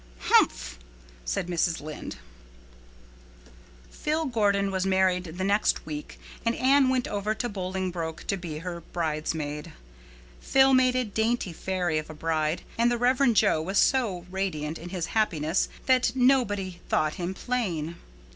"Humph!" said Mrs. Rachel. Phil Gordon was married the next week and Anne went over to Bolingbroke to be her bridesmaid. Phil made a dainty fairy of a bride, and the Rev. Jo was so radiant in his happiness that nobody thought him plain.